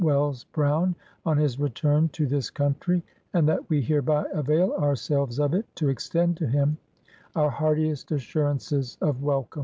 Wells Brown, on his return to this country, and that we hereby avail ourselves of it to extend to him our heartiest assurances of welcome.